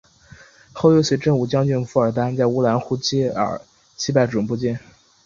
后又随振武将军傅尔丹在乌兰呼济尔击败准部军。